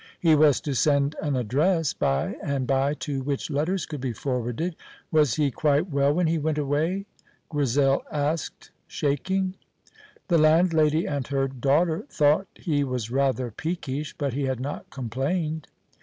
He was to send an address by and by to which letters could be forwarded. Was he quite well when he went away? Grizel asked, shaking. The landlady and her daughter thought he was rather peakish, but he had not complained.